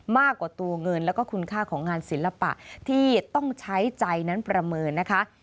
มากกว่าตัวเงินแล้วก็คุณค่าของงานศิลปะที่ต้องใช้ใจนั้นประเมินนะคะ